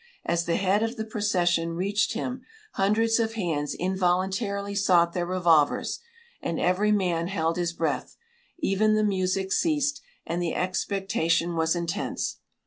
As the head of the procession reached him hundreds of hands involuntarily sought their revolvers, and every man held his breath; even the music ceased, and the expectation was intense.